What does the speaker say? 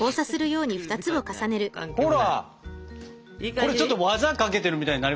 これちょっと技かけてるみたいになりましたよ。